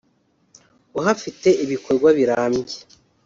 uhafite ibikorwa birambye